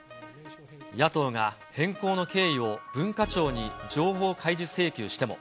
野党が変更の経緯を文化庁に情報開示請求しても。